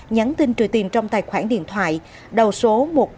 nhắn tin trừ tiền trong tài khoản điện thoại đầu số một nghìn tám